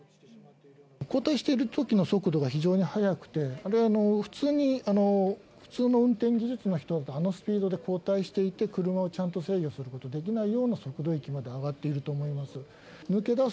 後退しているときの速度が非常に速くて、普通の運転技術の人だと、あのスピードで後退していて、車をちゃんと制御することできないような速度域まで上がっていると思います。